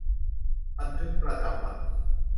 บันทึกประจำวัน